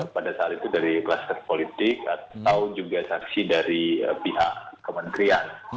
pada saat itu dari kluster politik atau juga saksi dari pihak kementerian